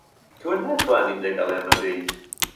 تۆ ناتوانیت لەگەڵ ئێمە بێیت.